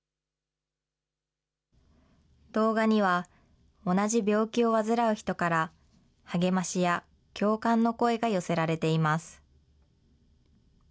動画には、同じ病気を患う人から励ましや共感の声が寄せられています。